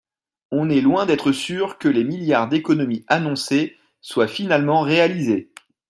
on est loin d’être sûrs que les milliards d’économies annoncés soient finalement réalisés.